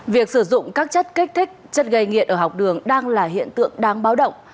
việc sử dụng các chất kích thích chất gây nghiện ở học đường đang là hiện tượng đáng bao